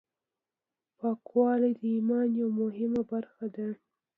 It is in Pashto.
پاکوالی د ایمان یوه مهمه برخه ده.